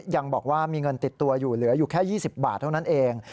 ยังบอกว่ามีเงินติดตัวอยู่เหลืออยู่แค่๒๐บาทเท่านั้นเอง